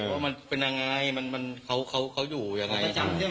ว่ามันเป็นอย่างไรเขาอยู่อย่างไร